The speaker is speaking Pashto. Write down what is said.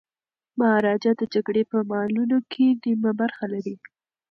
مهاراجا د جګړې په مالونو کي نیمه برخه لري.